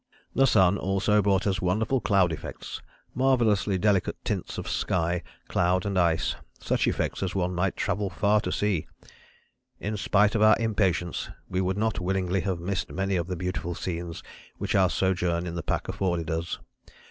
The sun also brought us wonderful cloud effects, marvellously delicate tints of sky, cloud and ice, such effects as one might travel far to see. In spite of our impatience we would not willingly have missed many of the beautiful scenes which our sojourn in the pack afforded us.